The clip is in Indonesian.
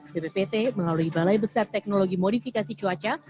bppt melalui balai besar teknologi modifikasi cuaca